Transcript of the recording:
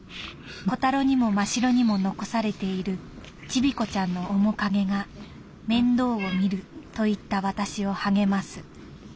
「コタロにもマシロにも残されているチビコちゃんの面影が面倒をみると言った私を励ます。